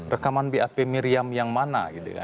rekaman bap miriam yang mana